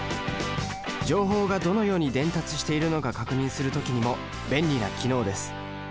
情報がどのように伝達しているのか確認する時にも便利な機能です。